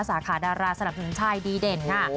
สาขาดาราสนับสนุนชายดีเด่นค่ะ